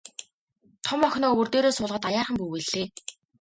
Том охиноо өвөр дээрээ суулгаад аяархан бүүвэйллээ.